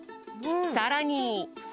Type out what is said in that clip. さらに。